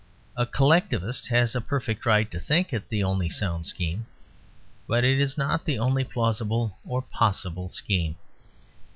A Collectivist has a perfect right to think it the only sound scheme; but it is not the only plausible or possible scheme.